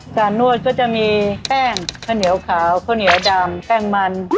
นวดก็จะมีแป้งข้าวเหนียวขาวข้าวเหนียวดำแป้งมัน